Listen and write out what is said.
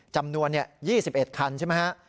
จำนวน๒๑คันใช่ไหมฮะ